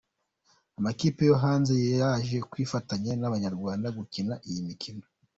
amakipe yo hanze yaje kwifatanya n’Abanyarwanda gukina iyi mikino.